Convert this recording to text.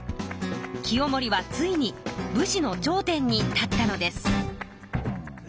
清盛はついに武士の頂点に立ったのです。